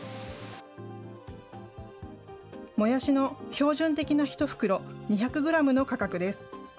もやしの標準的な１袋２００グラムの価格です。